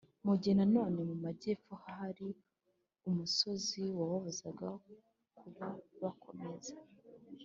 mu gihe na none mu majyepfo hari hari umusozi wababuzaga kuba bakomeza.